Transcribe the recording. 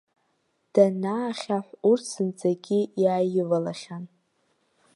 Данаахьаҳә, урҭ зынӡагьы иааивалахьан.